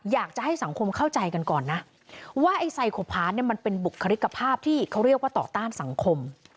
อยากจะให้สังคมเข้าใจกันก่อนนะว่าไอ้ไซโครพาร์ทเนี่ยมันเป็นบุคลิกภาพที่เขาเรียกว่าต่อต้านสังคม